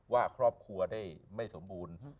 ว่าครอบครัวได้ไม่สมบูรณ์